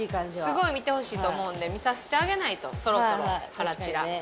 すごい見てほしいと思うんで見させてあげないとそろそろ腹チラ。